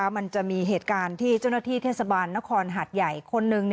มันจะมีเหตุการณ์ที่เจ้าหน้าที่ทศาสตรานครหัทยระยะขนนึง